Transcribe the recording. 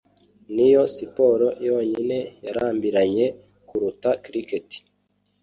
Niyo Siporo Yonyine Yarambiranye Kuruta Cricket